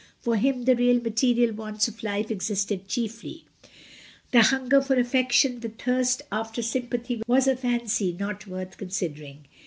For him the real material wants of life existed chiefly. The hunger for affection, the thirst after sympathy was a fancy not worth considering.